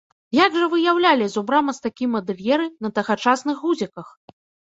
Як жа выяўлялі зубра мастакі-мадэльеры на тагачасных гузіках?